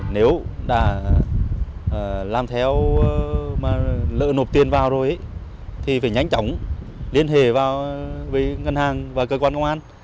nếu đã làm theo mà lỡ nộp tiền vào rồi thì phải nhanh chóng liên hệ vào với ngân hàng và cơ quan công an